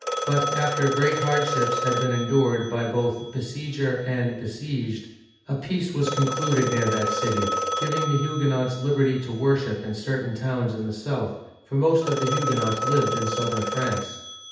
But after great hardships had been endured by both besieger and besieged, a peace was concluded near that city, giving the Huguenots liberty to worship in cer tain towns in the south ; for most of the Huguenots lived in southern France.